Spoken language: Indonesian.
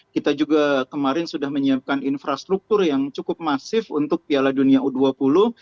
kita juga kemarin sudah menyiapkan infrastruktur yang cukup masif untuk piala dunia u dua puluh